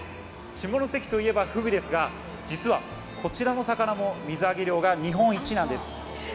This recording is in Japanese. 下関といえば、ふぐですが実は、こちらの魚も水揚げ量が日本一なんです。